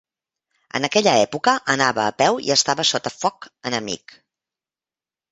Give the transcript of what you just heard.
En aquella època anava a peu i estava sota foc enemic.